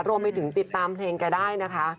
รวมไปถึงติดตามเพลงแกได้นะคะ